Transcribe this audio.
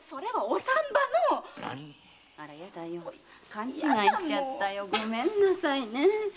勘違いしちゃったよごめんなさいね。